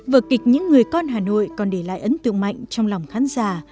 vợ kịch những người con hà nội còn để lại ấn tượng mạnh trong lòng khán giả